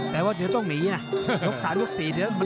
แต่ว่าเดี๋ยวต้องหนีนะ